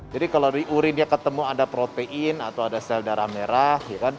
jadi kalau di urinnya ketemu ada protein atau ada sel darah merah